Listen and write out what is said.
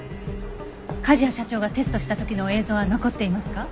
梶谷社長がテストした時の映像は残っていますか？